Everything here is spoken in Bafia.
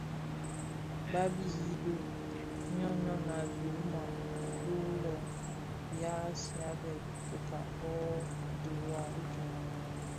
Ba yibi ňyon ňyon a biwuma bi yughèn ya Azia bè tsotsoka bō bi dhiwa di tsog.